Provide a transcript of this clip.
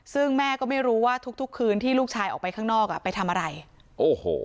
ซึ่งแม่ก็ไม่รู้ว่าทุกทุกคืนที่ลูกชายออกไปข้างนอกอ่ะไปทำอะไรโอ้โห